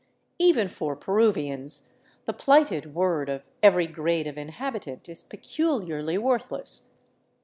Even for Peruvians, the plighted word of every grade of inhabitant is peculiarly worthless.